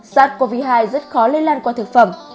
sars cov hai rất khó lây lan qua thực phẩm